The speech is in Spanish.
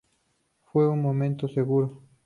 Fue un momento, seguro.